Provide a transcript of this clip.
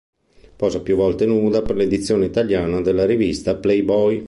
Posa più volte nuda per l'edizione italiana della rivista Playboy.